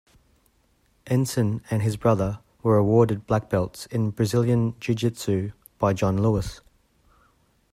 Enson and his brother were awarded black belts in Brazilian Jiu-Jitsu by John Lewis.